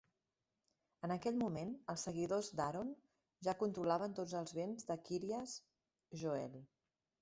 En aquell moment, els seguidors d'Aaron ja controlaven tots els bens de Kiryas Joel.